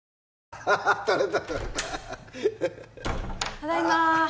ただいまー